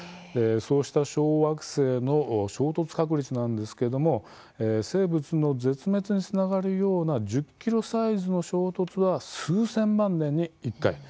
そうした小惑星の衝突確率なんですけれども生物の絶滅につながるような１０ｋｍサイズの衝突は数千万年に１回。